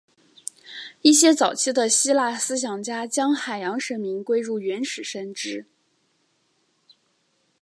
一些早期的希腊思想家将海洋神明归入原始神只。